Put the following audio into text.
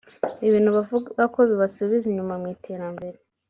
ibintu bavuga ko bibasubiza inyuma mu iterambere